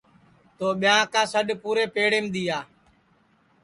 تو بیاں کا سڈؔ پُورے پیڑیم دؔیا